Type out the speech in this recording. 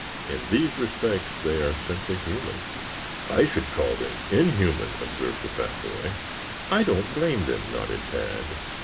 In these respects they are simply human." "I should call them inhuman," observed the fat boy. "I don't blame them," nodded Tad.